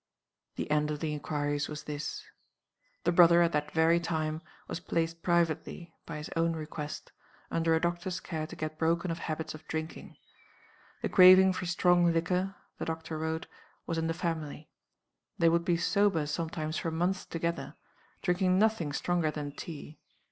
"The end of the inquiries was this. The brother, at that very time, was placed privately (by his own request) under a doctor's care to get broken of habits of drinking. The craving for strong liquor (the doctor wrote) was in the family. They would be sober sometimes for months together, drinking nothing stronger than tea.